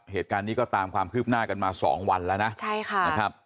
เหตุการณ์นี้ก็ตามความคืบหน้ากันมาสองวันแล้วนะใช่ค่ะนะครับ